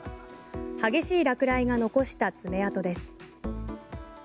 激しい落雷が残した爪痕です。